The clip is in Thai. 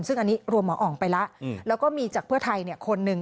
ซึ่งอันนี้รวมหมออ๋องไปแล้วแล้วก็มีจากเพื่อไทยคนหนึ่ง